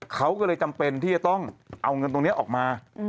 เขาก็เลยจำเป็นที่จะต้องเอาเงินตรงนี้ออกมา